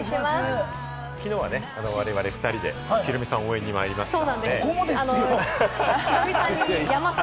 きのうは我々２人でヒロミさん、応援にまいりまして。